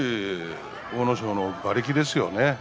阿武咲の馬力でしょうね。